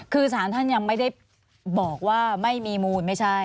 คือสารท่านยังไม่ได้บอกว่าไม่มีมูลไม่ใช่